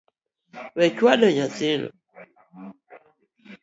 We chwado nyathi no